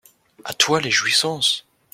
A toi les jouissances !